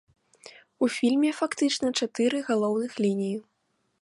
У фільме фактычна чатыры галоўных лініі.